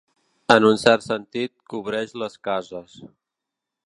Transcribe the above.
En un cert sentit, cobreix les cases.